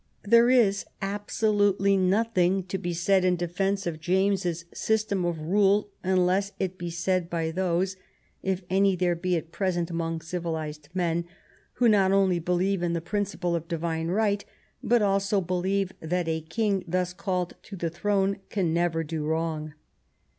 There is absolutely nothing to be said in defence of James's system of rule unless it be said by those, if any there be at present among civilized men, who not only believe in the principle of divine right, but also be lieve that a king thus called to the throne can never do wrong.